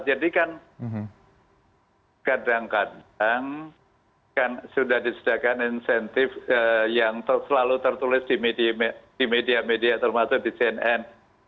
jadi kan kadang kadang kan sudah disediakan insentif yang selalu tertulis di media media termasuk di cnn